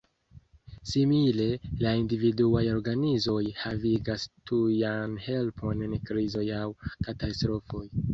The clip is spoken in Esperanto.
Simile, la individuaj organizoj havigas tujan helpon en krizoj aŭ katastrofoj.